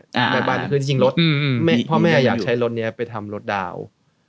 แต่คือจริงรถพ่อแม่อยากใช้รถนี้ไปทำรถดาวน์